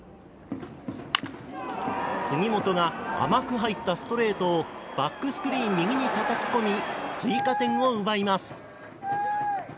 杉本が甘く入ったストレートをバックスクリーン右にたたき込み追加点を奪います。